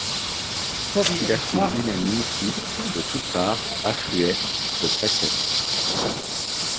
Fit la foule unanime qui, de toutes parts, affluait, se pressait.